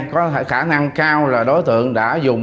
có khả năng cao là đối tượng đã dùng